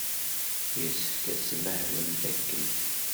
Yessefk ad tmahlemt akken.